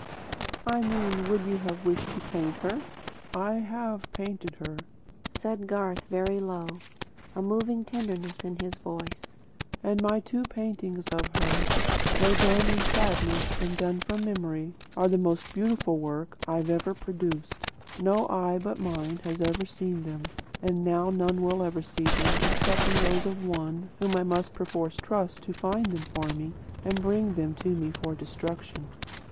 "I mean, would you have wished to paint her?" "I HAVE painted her," said Garth very low, a moving tenderness in his voice; "and my two paintings of her, though done in sadness and done from memory, are the most beautiful work I ever produced. No eye but my own has ever seen them, and now none ever will see them, excepting those of one whom I must perforce trust to find them for me, and bring them to me for destruction."